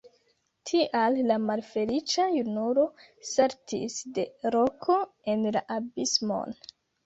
Tial la malfeliĉa junulo saltis de roko en la abismon.